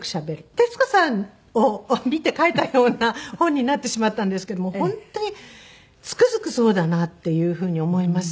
徹子さんを見て書いたような本になってしまったんですけども本当につくづくそうだなっていうふうに思います。